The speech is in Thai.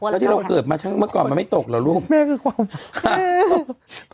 เมื่อก่อนมันไม่ตกหรอรูป